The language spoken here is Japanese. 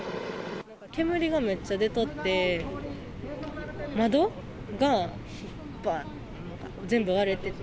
煙がめっちゃ出とって、窓がばーんって、全部割れてて。